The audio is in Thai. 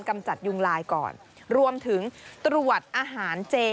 กำจัดยุงลายก่อนรวมถึงตรวจอาหารเจ